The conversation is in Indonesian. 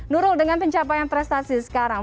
nurul dengan pencapaian prestasi sekarang